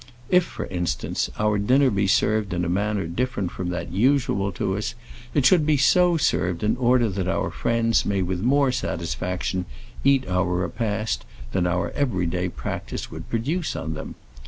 If, for instance, our dinner be served in a manner different from that usual to us, it should be so served in order that our friends may with more satisfaction eat our repast than our everyday practice would produce on them.